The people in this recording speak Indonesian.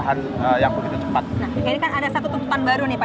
nah ini kan ada satu tuntutan baru nih pak yang nantinya rencananya akan disuarakan